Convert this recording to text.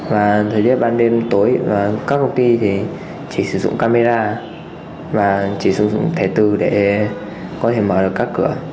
và thời tiết ban đêm tối các công ty chỉ sử dụng camera và chỉ sử dụng thẻ tử để có thể mở được các cửa